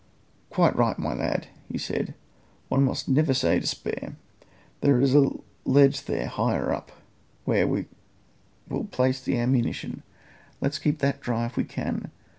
"Quite right, my lad," he said; "one must never say despair. There's a ledge there higher up where we will place the ammunition. Let's keep that dry if we can.